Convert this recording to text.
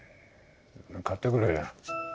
買ってくるよ。